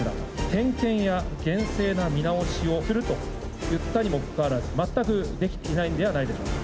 点検や厳正な見直しをすると言ったにもかかわらず、全くできていないんではないでしょうか。